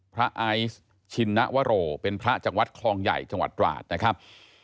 ไอซ์ชินนวโรเป็นพระจากวัดคลองใหญ่จังหวัดตราดนะครับ